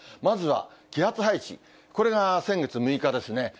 まずは、気圧配置、これが先月６日ですね。